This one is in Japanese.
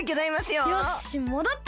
よしもどった！